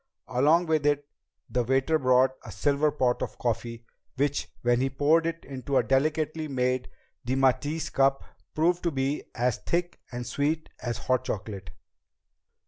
Along with it, the waiter brought a silver pot of coffee, which, when he poured it into a delicately made demitasse cup, proved to be as thick and sweet as hot chocolate.